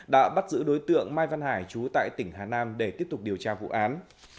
đã bắt giữ đối tượng mai văn hải chú tại tỉnh hà nam để tiếp tục điều tra vụ án